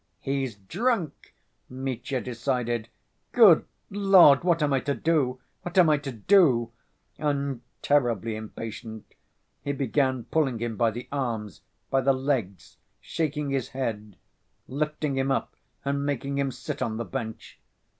"He's drunk," Mitya decided. "Good Lord! What am I to do? What am I to do?" And, terribly impatient, he began pulling him by the arms, by the legs, shaking his head, lifting him up and making him sit on the bench.